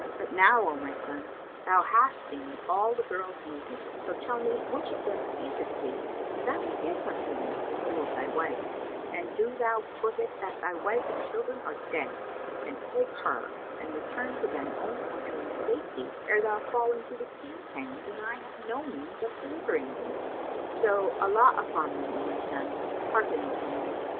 But now, O my son, thou hast seen all the girls naked; so tell me which of them pleaseth thee and I will give her to thee, in lieu of thy wife, and do thou put it that thy wife and children are dead and take her and return to thine own country in safety, ere thou fall into the King's hand and I have no means of delivering thee. So, Allah upon thee, O my son, hearken unto me.